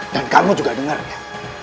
dan kamu juga denger ya